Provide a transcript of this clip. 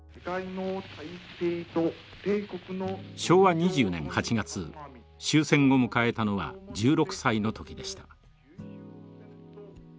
昭和２０年８月終戦を迎えたのは１６歳の時でした。